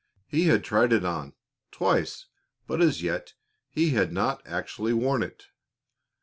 He had tried it on, twice, but as yet he had not actually worn it.